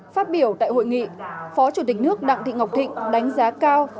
phát biểu tại hội nghị phó chủ tịch nước đặng thị ngọc thịnh đánh giá cao